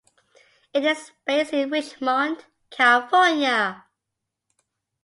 It is based in Richmond, California.